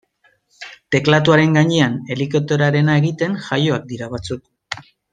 Teklatuaren gainean helikopteroarena egiten jaioak dira batzuk.